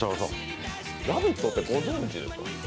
「ラヴィット！」ってご存じですか？